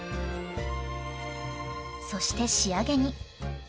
そして仕上げに。